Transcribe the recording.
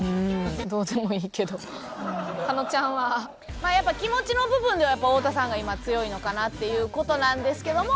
まあやっぱ気持ちの部分では太田さんが今強いのかなっていう事なんですけども。